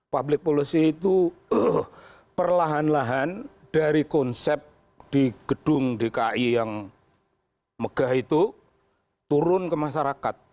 public policy itu perlahan lahan dari konsep di gedung dki yang megah itu turun ke masyarakat